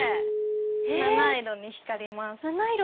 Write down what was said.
七色に光ります。